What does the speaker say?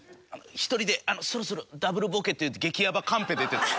「１人でそろそろＷボケ」っていう激やばカンペ出てた。